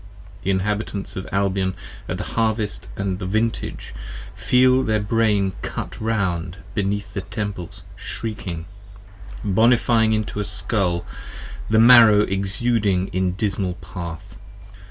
The Inhabitants of Albion at the Harvest & the Vintage Feel their Brain cut round beneath the temples shrieking, Bonifying into a Scull, the Marrow exuding in dismal path.